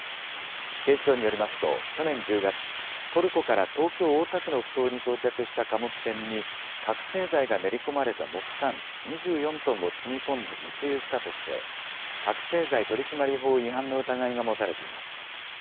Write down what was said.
警視庁によりますと去年１０月、トルコから東京大田区のふ頭に到着した貨物船に覚醒剤が練り込まれた木炭２４トンを積み込んで密輸したとして覚醒剤取締法違反の疑いが持たれています。